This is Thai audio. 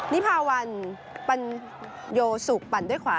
นิพาวันปัญโยสุกปั่นด้วยขวา